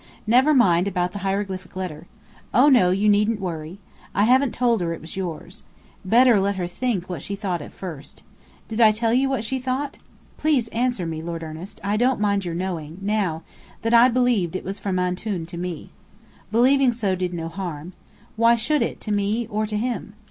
"Never mind about the hieroglyphic letter. Oh, no, you needn't worry! I haven't told her it was yours. Better let her think what she thought at first. Did she tell you what she thought? Please answer me, Lord Ernest! I don't mind your knowing now that I believed it was from Antoun to me. Believing so, did no harm. Why should it, to me, or to him?